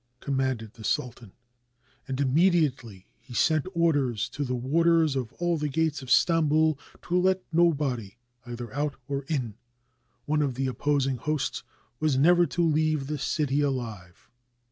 commanded the sultan; and immediately he sent orders to the warders of all the gates of Stamboul to let nobody either out or in. One of the opposing hosts was never to leave the city alive.